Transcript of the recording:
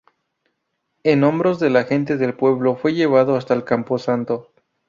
En hombros de la gente del pueblo fue llevado hasta el camposanto.